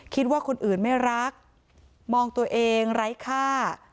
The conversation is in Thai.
คิดว่าคนอื่นไม่รักมองตัวเองไร้ค่า